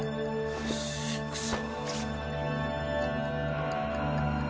よし行くぞ。